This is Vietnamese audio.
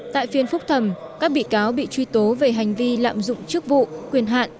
tại phiên phúc thẩm các bị cáo bị truy tố về hành vi lạm dụng chức vụ quyền hạn